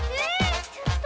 ちょっと！